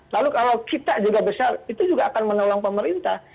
lalu kalau kita juga besar itu juga akan menolong pemerintah